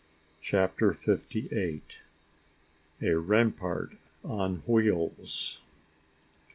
CHAPTER FIFTY EIGHT. A RAMPART ON WHEELS.